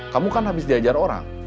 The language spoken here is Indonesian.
kamu kan habis diajar orang